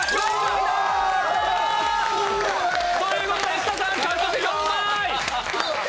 石田さん、獲得４枚！